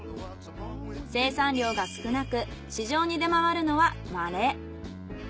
生産量が少なく市場に出回るのはまれ。